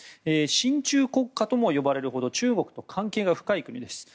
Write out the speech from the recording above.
親中国家とも呼ばれるほど中国と関係が深い国です。